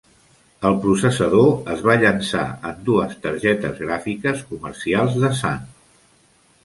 El processador es va llançar en dues targetes gràfiques comercials de Sun.